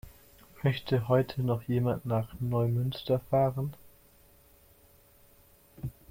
Möchte heute noch jemand nach Neumünster fahren?